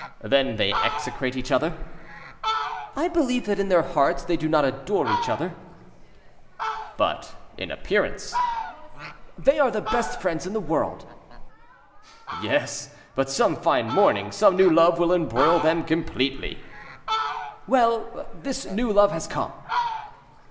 "Then they execrate each other?" "I believe that in their hearts they do not adore each other." "But in appearance?" "They are the best friends in the world." "Yes, but some fine morning some new love will embroil them completely." "Well! this new love has come."